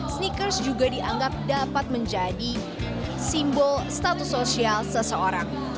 sneakers juga dianggap dapat menjadi simbol status sosial seseorang